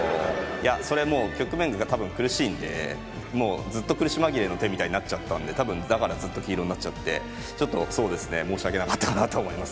いやそれもう局面が多分苦しいんでもうずっと苦し紛れの手みたいになっちゃったんで多分だからずっと黄色になっちゃってちょっとそうですね申し訳なかったかなと思います